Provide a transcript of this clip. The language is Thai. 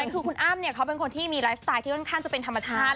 คือคุณอ้ำเขาเป็นคนที่มีไลฟ์สไตล์ที่ค่อนข้างจะเป็นธรรมชาติ